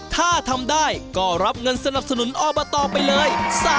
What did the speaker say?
ถ้าทำได้ก็รับเงินสนับสนุนอบตไปเลย